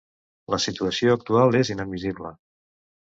La situació actual és inadmissible.